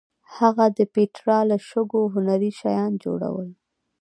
هغه د پېټرا له شګو هنري شیان جوړول.